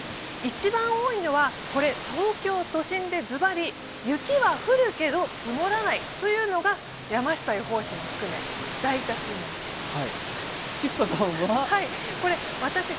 一番多いのは東京都心でズバリ、雪は降るけど積もらないというのが山下予報士も含め大多数の意見でした。